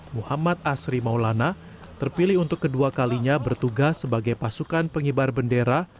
muhammad asri maulana terpilih untuk kedua kalinya bertugas sebagai pasukan pengibar bendera